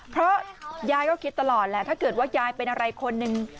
เพราะยายก็คิดตลอดแหละถ้าเกิดว่ายายเป็นอะไรคนหนึ่ง